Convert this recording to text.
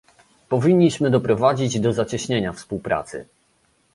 Powinniśmy doprowadzić do zacieśnienia współpracy